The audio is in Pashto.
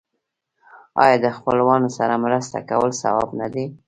آیا د خپلوانو سره مرسته کول ثواب نه دی؟